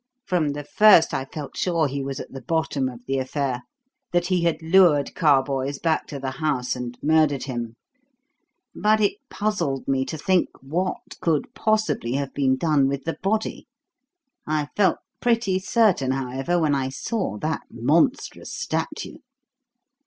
From the first I felt sure he was at the bottom of the affair, that he had lured Carboys back to the house, and murdered him; but it puzzled me to think what could possibly have been done with the body. I felt pretty certain, however, when I saw that monstrous statue."